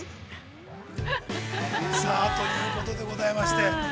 ◆さあ、ということでございまして。